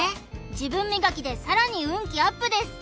自分磨きでさらに運気アップです！